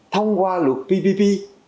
thông qua luật ppp